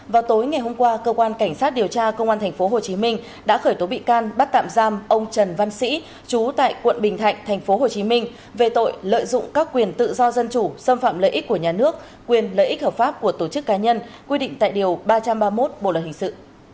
vào tối ngày hôm qua cơ quan cảnh sát điều tra công an tp hcm đã khởi tố bị can bắt tạm giam ông trần văn sĩ chú tại quận bình thạnh tp hcm về tội lợi dụng các quyền tự do dân chủ xâm phạm lợi ích của nhà nước quyền lợi ích hợp pháp của tổ chức cá nhân quy định tại điều ba trăm ba mươi một bộ luật hình sự